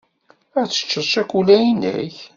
Ad teččeḍ cakula-inek.